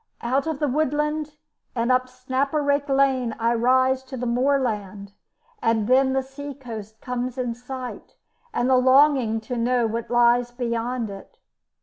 Out of the woodland and up Snaperake Lane I rise to the moorland, and then the sea coast comes in sight, and the longing to know what lies beyond it.